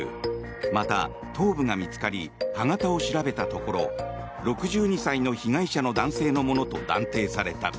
また、頭部が見つかり歯型を調べたところ６２歳の被害者の男性のものと断定された。